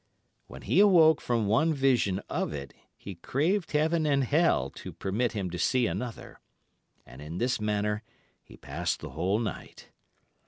"When he awoke from one vision of it, he craved heaven and hell to permit him to see another. And in this manner he passed the whole night.